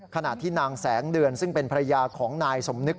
ขณะที่นางแสงเดือนซึ่งเป็นภรรยาของนายสมนึก